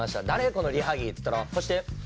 このリハ着」っつったら「貸して。